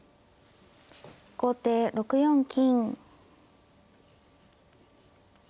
後手６四金。